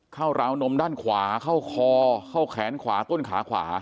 ราวนมด้านขวาเข้าคอเข้าแขนขวาต้นขาขวา